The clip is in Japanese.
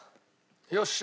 よし。